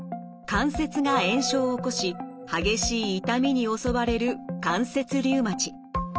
関節が炎症を起こし激しい痛みに襲われる関節リウマチ。